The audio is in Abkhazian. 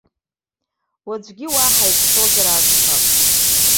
Уаҵәгьы уа ҳаиқәшәозар акәхап?